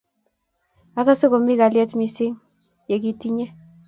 Akase komi kalyet mising ya kitinye